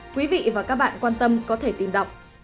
quý vị và các bạn quan tâm có thể tìm đọc